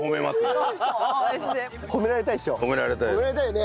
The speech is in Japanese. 褒められたいよね。